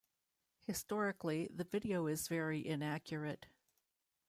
Historically, the video is very inaccurate.